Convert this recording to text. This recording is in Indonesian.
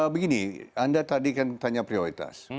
begini anda tadi kan tanya prioritas